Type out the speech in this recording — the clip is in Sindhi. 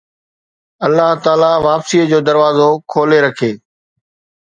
الله تعاليٰ واپسيءَ جو دروازو کولي رکي